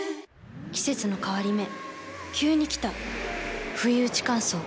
季節の変わり目急に来たふいうち乾燥。